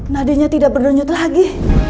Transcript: nadinya tidak berdenyut lagi